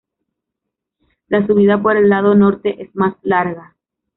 La subida por el lado norte es más larga.